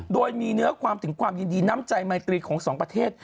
โดยมีเนื้อความถึงความยินดีน้ำใจไมตรีของสองประเทศ